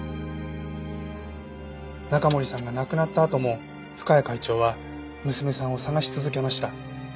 中森さんが亡くなったあとも深谷会長は娘さんを捜し続けました。